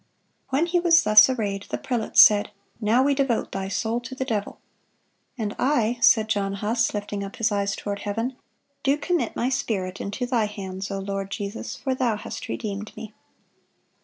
" When he was thus arrayed, "the prelates said, 'Now we devote thy soul to the devil.' 'And I,' said John Huss, lifting up his eyes toward heaven, 'do commit my spirit into Thy hands, O Lord Jesus, for Thou hast redeemed me.